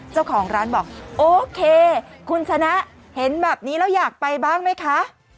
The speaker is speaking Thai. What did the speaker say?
เจ้าของร้านบอกโอเคคุณชนะเห็นแบบนี้แล้วอยากไปบ้างไหมคะ